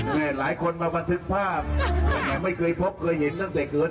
นี่หลายคนมาบันทึกภาพแต่ไม่เคยพบเคยเห็นตั้งแต่เกิด